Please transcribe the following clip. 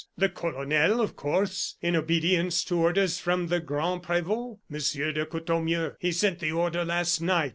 The colonel, of course, in obedience to orders from the grand prevot, Monsieur de Courtornieu. He sent the order last night.